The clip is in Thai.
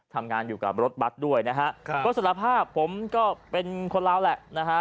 ทำงานอยู่กับรถบัสด้วยนะฮะก็สารภาพผมก็เป็นคนลาวแหละนะฮะ